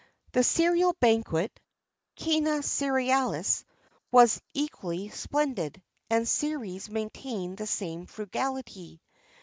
[XXX 20] The cereal banquet (cœna Cerealis) was equally splendid, and Ceres maintained the same frugality.